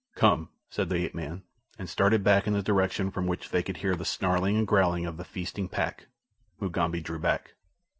"Come!" said the ape man, and started back in the direction from which they could hear the snarling and growling of the feasting pack. Mugambi drew back.